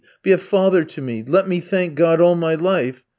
"Be a father to me!" "Let me thank God all my life!"